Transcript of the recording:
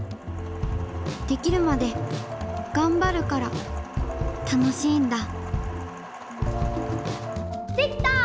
できるまでがんばるから楽しいんだできた！